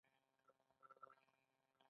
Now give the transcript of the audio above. د واکمن په اشاره به یې پر محکوم پښه کېښوده.